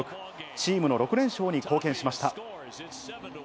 チームの６連勝に貢献しました。